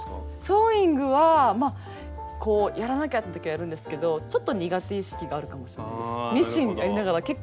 ソーイングはまあやらなきゃってときはやるんですけどちょっと苦手意識があるかもしれないです。